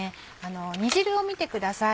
煮汁を見てください